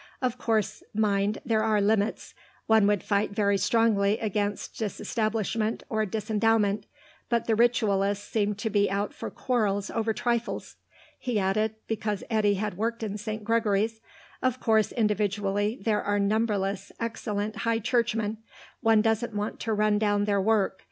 Of course, mind, there are limits; one would fight very strongly against disestablishment or disendowment; but the ritualists seem to be out for quarrels over trifles." He added, because Eddy had worked in St. Gregory's, "Of course, individually, there are numberless excellent High Churchmen; one doesn't want to run down their work.